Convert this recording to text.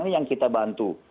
ini yang kita bantu